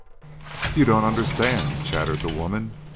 "You don't understand," chattered the woman.